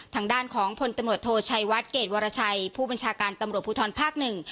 ทางด้านของพลตำรวจโทชัยวัดเกรดวรชัยผู้บัญชาการตำรวจภูทรภาคหนึ่ง